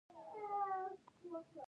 فیوډالیزم د مبادلاتو په تکامل کې خنډ شو.